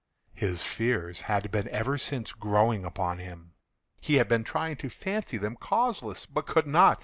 His fears had been ever since growing upon him. He had been trying to fancy them causeless, but could not.